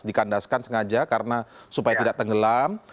dikandaskan sengaja karena supaya tidak tenggelam